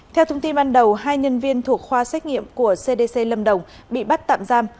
theo thông tin ban đầu hai nhân viên thuộc khoa xét nghiệm của cdc lâm đồng bị bắt tạm giam